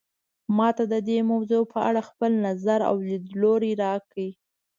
ما ته د دې موضوع په اړه خپل نظر او لیدلوری راکړئ